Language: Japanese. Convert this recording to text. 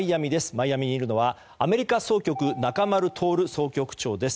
マイアミにいるのはアメリカ総局中丸徹総局長です。